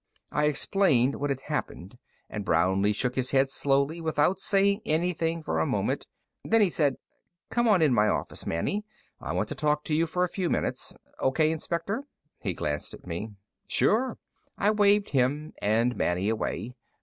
I explained what had happened and Brownlee shook his head slowly without saying anything for a moment. Then he said, "Come on in my office, Manny; I want to talk to you for a few minutes. O.K., Inspector?" He glanced at me. "Sure." I waved him and Manny away.